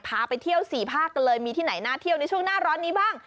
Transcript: พาไปเที่ยวสี่ภาคกันเลยมีที่ไหนน่าเที่ยวในช่วงหน้าร้อนนี้บ้าง